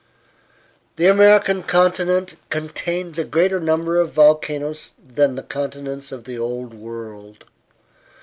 The American continent contains a greater number of volcanoes than the continents of the Old World.